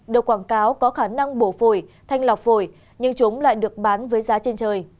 đồ quảng cáo có khả năng bổ phổi thanh lọc phổi nhưng chúng lại được bán với giá trên trời